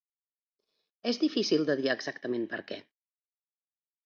És difícil de dir exactament per què.